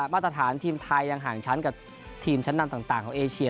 มาตรฐานทีมไทยยังห่างชั้นกับทีมชั้นนำต่างของเอเชีย